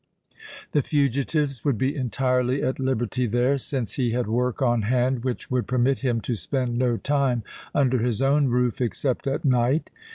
The fugitives would be entirely at liberty there, since he had work on hand which would permit him to spend no time under his own roof except at night.